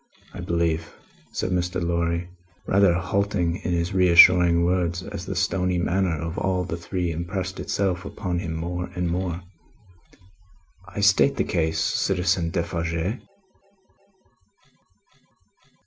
I believe," said Mr. Lorry, rather halting in his reassuring words, as the stony manner of all the three impressed itself upon him more and more, "I state the case, Citizen Defarge?"